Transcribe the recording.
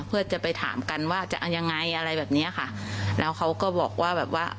เพื่อจะไปถามกันว่าจะเอายังไงอะไรแบบเนี้ยค่ะแล้วเขาก็บอกว่าแบบว่า